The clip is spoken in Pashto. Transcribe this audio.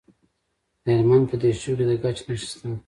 د هلمند په دیشو کې د ګچ نښې شته.